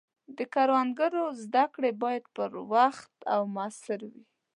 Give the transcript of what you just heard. د کروندګرو زده کړې باید پر وخت او موثر وي.